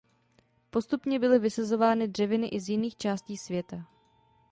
Postupně byly vysazovány dřeviny i z jiných částí světa.